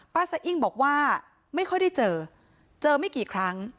สะอิ้งบอกว่าไม่ค่อยได้เจอเจอไม่กี่ครั้ง